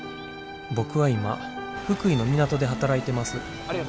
僕は今福井の港で働いてます。